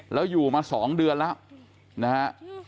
แล้วอยู่มา๒เดือนแล้วนะฮะ